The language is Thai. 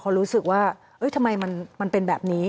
เขารู้สึกว่าทำไมมันเป็นแบบนี้